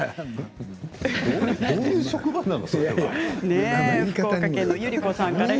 どういう職場なの？